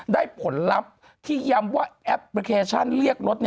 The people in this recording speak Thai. ผลลัพธ์ที่ย้ำว่าแอปพลิเคชันเรียกรถ